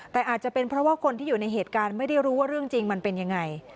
แต่อาจจะเป็นเพราะว่าคนที่อยู่ในเหตุการณ์ไม่ได้รู้ว่าเรื่องจริงมันเป็นยังไง